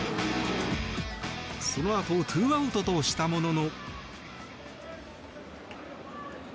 そのあと２アウトとしたものの。